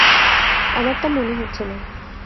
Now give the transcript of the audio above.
আমার তা মনে হচ্ছে না।